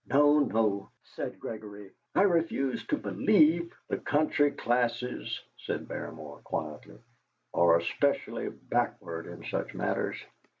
"No, no," said Gregory; "I refuse to believe " "The country classes," said Mr. Paramor quietly, "are especially backward in such matters.